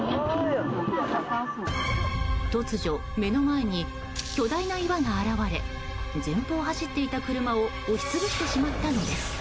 突如、目の前に巨大な岩が現れ前方を走っていた車を押し潰してしまったのです。